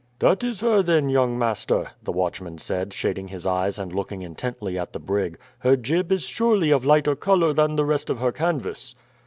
"That is her then, young master," the watchman said, shading his eyes and looking intently at the brig. "Her jib is surely of lighter colour than the rest of her canvas."